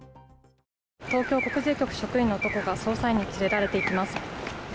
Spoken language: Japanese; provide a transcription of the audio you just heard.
東京国税局職員の男が捜査員に連れられていきます。